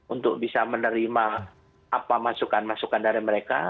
untuk bisa menerima apa masukan masukan dari mereka